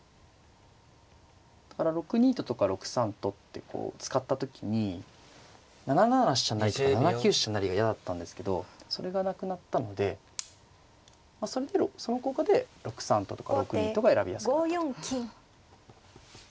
だから６二ととか６三とってこう使った時に７七飛車成とか７九飛車成が嫌だったんですけどそれがなくなったのでその効果で６三ととか６二とが選びやすくなったと。